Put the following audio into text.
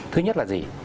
thứ nhất là gì